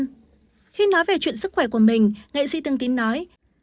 khi nói về chuyện sức khỏe của mình nghệ sĩ thương tín nói